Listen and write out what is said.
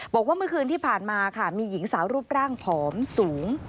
บอกว่าเมื่อคืนที่ผ่านมาค่ะมีหญิงสาวรูปร่างผอมสูง